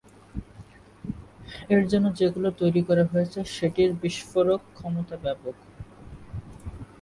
এর জন্য যে গুলি তৈরী করা হয়েছে সেটির বিস্ফোরক ক্ষমতা ব্যাপক।